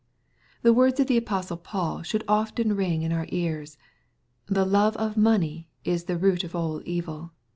The words of the apostle Paul should often ring in our ears, "the love of money is the root of all evil."